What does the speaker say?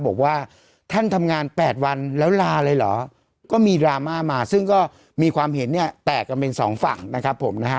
บอกว่าท่านทำงาน๘วันแล้วลาเลยเหรอก็มีดราม่ามาซึ่งก็มีความเห็นเนี่ยแตกกันเป็นสองฝั่งนะครับผมนะฮะ